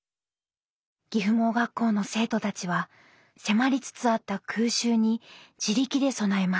岐阜盲学校の生徒たちは迫りつつあった空襲に自力で備えます。